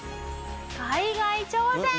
海外挑戦。